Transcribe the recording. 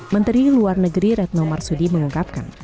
menteri luar negeri retno marsudi mengungkapkan